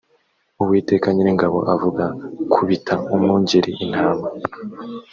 uwiteka nyiringabo avuga kubita umwungeri intama